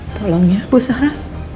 tolong ya bu zara